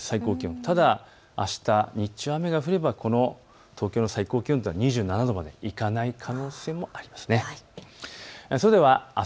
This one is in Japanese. ただ日中、雨が降れば東京の最高気温は２７度まで行かない可能性もあります。